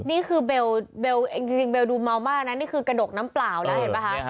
นี่คือเบลเองจริงเบลดูเมามากนะนี่คือกระดกน้ำเปล่าแล้วเห็นป่ะคะ